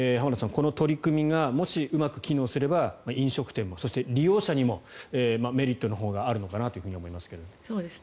この取り組みがもし、うまく機能すれば飲食店にも利用者にもメリットのほうがあるのかなと思いますが。